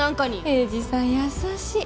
栄治さん優しい